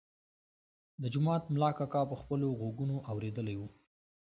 د جومات ملا کاکا په خپلو غوږونو اورېدلی و.